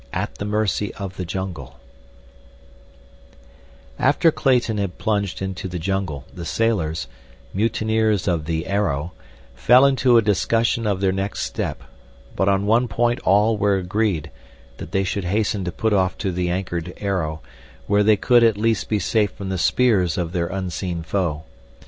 At the Mercy of the Jungle After Clayton had plunged into the jungle, the sailors—mutineers of the Arrow—fell into a discussion of their next step; but on one point all were agreed—that they should hasten to put off to the anchored Arrow, where they could at least be safe from the spears of their unseen foe.